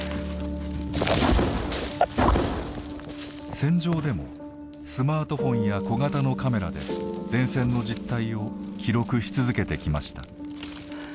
戦場でもスマートフォンや小型のカメラで前線の実態を記録し続けてきました。